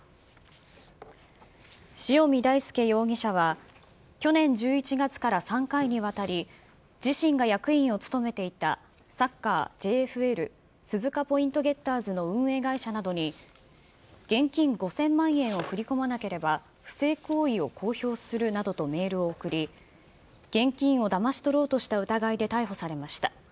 塩見大輔容疑者は、去年１１月から３回にわたり、自身が役員を務めていたサッカーＪＦＬ・鈴鹿ポイントゲッターズの運営会社などに、現金５０００万円を振り込まなければ、不正行為を公表するなどとメールを送り、現金をだまし取ろうとした疑いで逮捕されました。